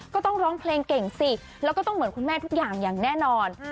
ก็ต้องร้องเพลงเก่งสิแล้วก็ต้องเหมือนคุณแม่ทุกอย่างอย่างแน่นอน